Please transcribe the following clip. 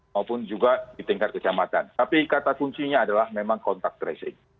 maupun juga di tingkat kecamatan tapi kata kuncinya adalah memang kontak tracing